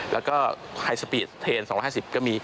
แล้วก็ไฮสปีดเทน๒๕๐ก็มี